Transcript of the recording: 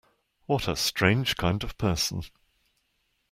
What a strange kind of person!